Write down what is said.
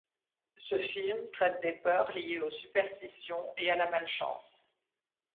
Ce film traite des peurs liées aux superstitions et à la malchance.